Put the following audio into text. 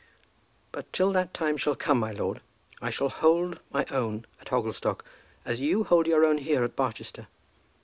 "But till that time shall come, my lord, I shall hold my own at Hogglestock as you hold your own here at Barchester.